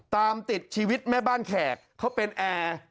ตามติดชีวิตแม่บ้านแขกเขาเป็นแอร์